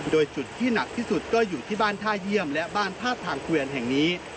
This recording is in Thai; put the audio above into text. โดยจุดที่หนักที่สุดก็อยู่ที่บ้านท่าเยี่ยมและบ้านท่าทางเกวียนแห่งนี้